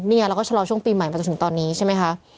เราก็ชะลอช่วงปีใหม่มาจนถึงตอนนี้ใช่ไหมคะ